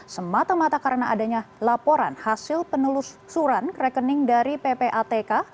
semata mata karena adanya laporan hasil penelusuran rekening dari ppatk